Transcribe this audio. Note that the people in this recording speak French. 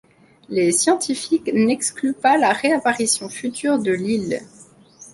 Les scientifiques n'excluent pas la réapparition future de l'île.